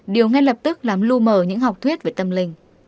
điều ngay lập tức làm lưu mờ những học thuyết về tâm linh